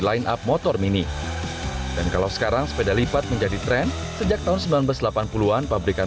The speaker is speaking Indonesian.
line up motor mini dan kalau sekarang sepeda lipat menjadi tren sejak tahun seribu sembilan ratus delapan puluh an pabrikan